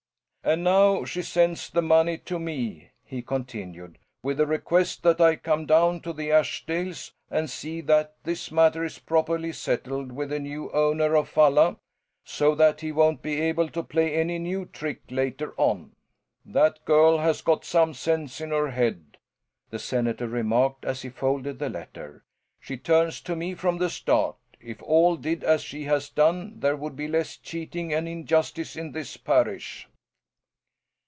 "And now she sends the money to me," he continued, "with the request that I come down to the Ashdales and see that this matter is properly settled with the new owner of Falla; so that he won't be able to play any new trick later on." "That girl has got some sense in her head," the senator remarked as he folded the letter. "She turns to me from the start. If all did as she has done there would be less cheating and injustice in this parish."